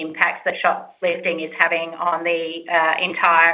impak yang diperlukan perusahaan kedai